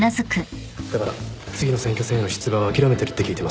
だから次の選挙戦への出馬は諦めてるって聞いてました。